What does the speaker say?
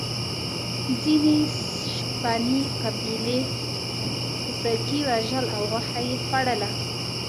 ځینې شپنې قبیلې خوسکي وژل او غوښه یې خوړله.